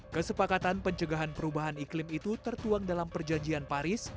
kesepakatan pencegahan perubahan iklim itu tertuang dalam perjanjian paris